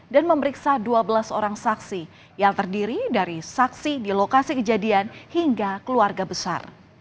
dan memeriksa dua belas orang saksi yang terdiri dari saksi di lokasi kejadian hingga keluarga besar